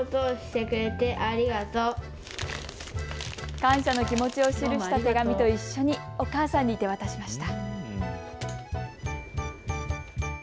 感謝の気持ちを記した手紙と一緒にお母さんに手渡しました。